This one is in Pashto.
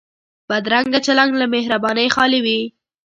بدرنګه چلند له مهربانۍ خالي وي